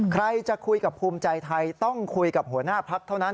ใครจะคุยกับภูมิใจไทยต้องคุยกับหัวหน้าพักเท่านั้น